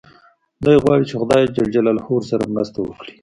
دی غواړي چې خدای ورسره مرسته وکړي.